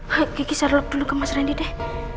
ayo kiki share lok dulu ke mas rendy deh